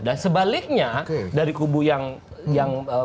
dan sebaliknya dari kubu yang